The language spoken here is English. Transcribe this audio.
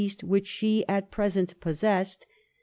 181 Hast which she at present possessed.